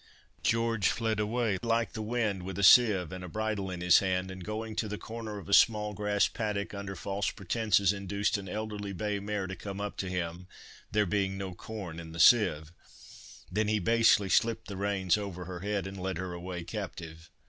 George fled away like the wind, with a sieve and a bridle in his hand, and going to the corner of a small grass paddock, under false pretences induced an elderly bay mare to come up to him (there being no corn in the sieve), then he basely slipped the reins over her head and led her away captive.